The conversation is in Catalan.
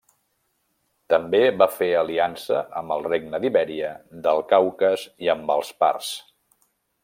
També va fer aliança amb el Regne d'Ibèria del Caucas i amb els parts.